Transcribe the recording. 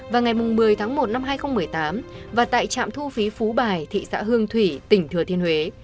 vào ngày một mươi tháng một năm hai nghìn một mươi tám và tại trạm thu phí phú bài thị xã hương thủy tỉnh thừa thiên huế